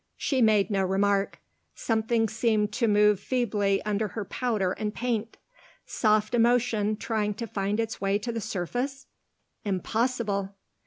She made no remark. Something seemed to move feebly under her powder and paint. Soft emotion trying to find its way to the surface? Impossible!